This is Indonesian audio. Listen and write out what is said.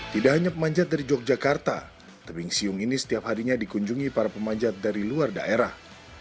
tidak hanya pemanjat dari yogyakarta tebing siung ini setiap harinya dikunjungi para pemanjat dari luar daerah